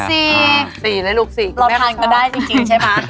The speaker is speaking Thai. มี๔๔เลยลูก๔คุณแม่คุณชอบรอทานก็ได้จริงใช่ไหม